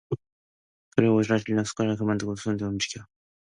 그 오라질년이 숟가락은 고만두고 손으로 움켜서